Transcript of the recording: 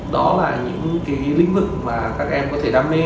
đó là những cái lĩnh vực mà các em có thể đam mê